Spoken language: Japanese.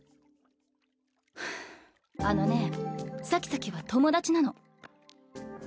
ふぅあのねサキサキは友達なの。